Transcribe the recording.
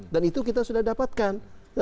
dan itu kita sudah dapatkan